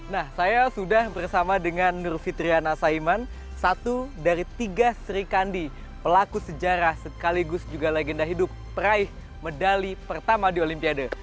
nah saya sudah bersama dengan nur fitriana saiman satu dari tiga sri kandi pelaku sejarah sekaligus juga legenda hidup peraih medali pertama di olimpiade